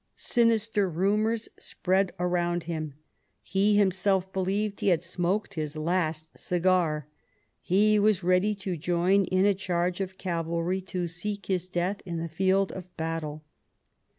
Sinister rumours spread around him ; he himself believed he had smoked his last cigar ; he was ready to join in a charge of cavalry to seek his death on the field of battle.